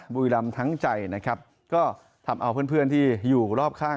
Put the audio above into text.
บุรีรำทั้งใจนะครับก็ทำเอาเพื่อนเพื่อนที่อยู่รอบข้าง